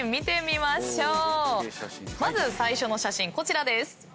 まず最初の写真こちらです。